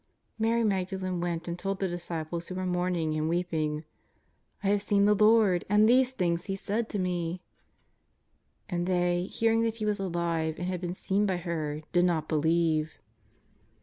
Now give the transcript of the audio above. Mary Magdalen went and told the disciples, who were mourning and weeping: " I have seen the Lord and these things He said to me.'' And they, hearing that He was alive and had been seen by her, did not believe.